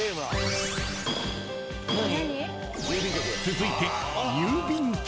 ［続いて］